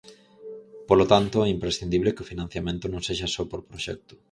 Polo tanto, é imprescindible que o financiamento non sexa só por proxecto.